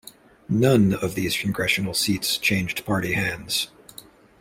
None of these congressional seats changed party hands.